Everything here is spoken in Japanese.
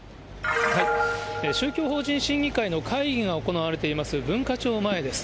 宗教法人審議会の会議が行われています、文化庁前です。